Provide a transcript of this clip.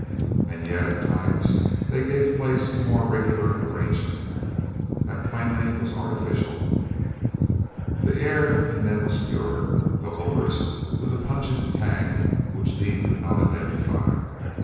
And yet, at times they gave place to more regular arrangement that plainly was artificial. The air in them was pure, though odorous with a pungent tang which Dean could not identify.